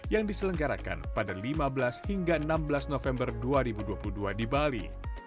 yang diselenggarakan pada lima belas hingga enam belas november dua ribu dua puluh dua di bali